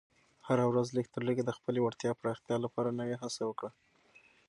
هره ورځ لږ تر لږه د خپلې وړتیا پراختیا لپاره نوې هڅه وکړه.